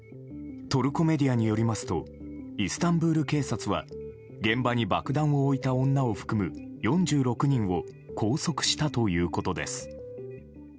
トルコメディアによりますとイスタンブール警察は現場に爆弾を置いた女を含む４６人を拘束したということです。